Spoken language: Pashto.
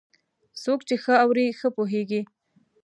څوک چې ښه اوري، ښه پوهېږي.